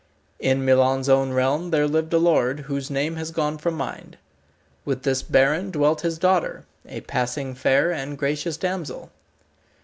In Milon's own realm there lived a lord whose name has gone from mind. With this baron dwelt his daughter, a passing fair and gracious damsel.